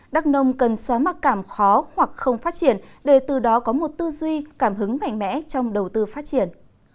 đắk nông cần xóa mặc cảm khó hoặc không phát triển để từ đó có một tư duy cảm hứng mạnh mẽ trong đầu tư phát triển